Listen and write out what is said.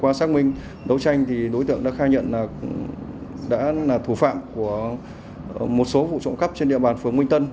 qua xác minh đấu tranh thì đối tượng đã khai nhận đã là thủ phạm của một số vụ trộm cắp trên địa bàn phường minh tân